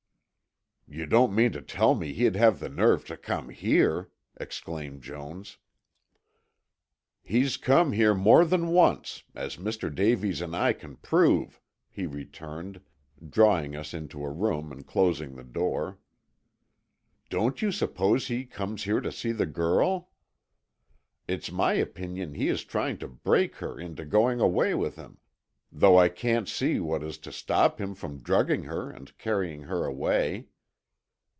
"You don't mean to tell me he'd have the nerve to come here!" exclaimed Jones. "He's come here more than once, as Mr. Davies and I can prove," he returned, drawing us into a room and closing the door. "Don't you suppose he comes here to see the girl? It's my opinion he is trying to break her into going away with him, though I can't see what is to stop him from drugging her and carrying her away."